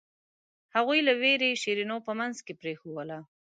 هغوی له وېرې شیرینو په منځ کې پرېښووله.